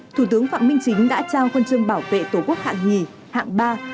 thủ tướng phạm minh chính đã trao khuôn trương bảo vệ tổ quốc hạng hai hạng ba